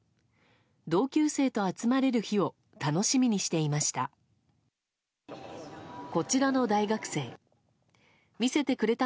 同級生と集まれる日を楽しみにしていました。